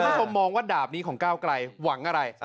คุณผู้ชมมองว่าดาบนี้ของก้าวไกลหวังอะไร